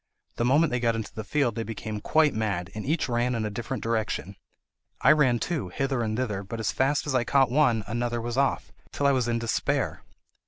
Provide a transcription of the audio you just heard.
The moment they got into the field they became quite mad, and each ran in a different direction. I ran too, hither and thither, but as fast as I caught one, another was off, till I was in despair.